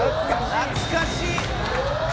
「懐かしい！」